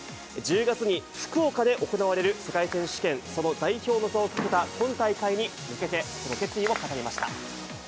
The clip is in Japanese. １０月に福岡で行われる世界選手権、その代表の座をかけた今大会に向けてその決意を語りました。